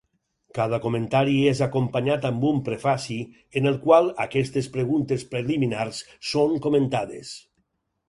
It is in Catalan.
Cada comentari és acompanyat amb un prefaci, en el qual, aquestes preguntes preliminars són comentades.